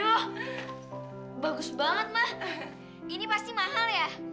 aduh bagus banget ma ini pasti mahal ya